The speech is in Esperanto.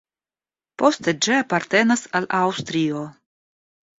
Poste ĝi apartenas al Aŭstrio.